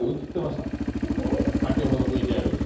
先ほどのＶＴＲに。